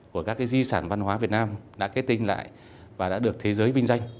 của các di sản văn hóa việt nam đã kết tinh lại và đã được thế giới vinh danh